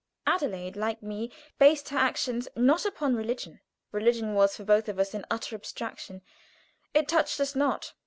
Adelaide, like me, based her actions not upon religion. Religion was for both of us an utter abstraction; it touched us not.